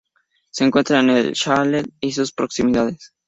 Se encuentra en el Sahel y sus proximidades.